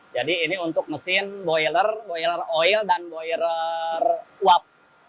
jadi ini untuk mesin boiler boiler oil dan boiler uap